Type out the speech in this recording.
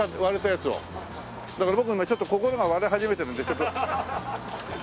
だから僕今ちょっと心が割れ始めてるので。